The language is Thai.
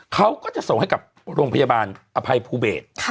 เขาก็จะส่งให้กับโรงพยาบาลอภัยภูเบศ